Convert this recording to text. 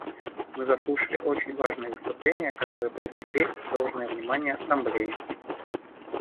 Мы заслушали очень важные выступления, которые привлекли должное внимание Ассамблеи.